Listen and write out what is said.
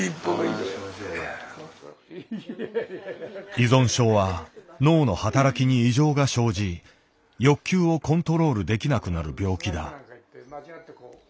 依存症は脳の働きに異常が生じ欲求をコントロールできなくなる病気だ。